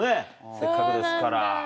せっかくですから。